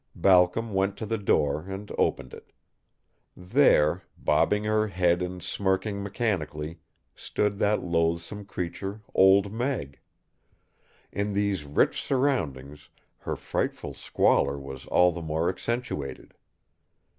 Balcom went to the door and opened it. There, bobbing her head and smirking mechanically, stood that loathsome creature, Old Meg. In these rich surroundings her frightful squalor was all the more accentuated.